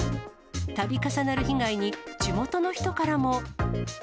たび重なる被害に、地元の人からも。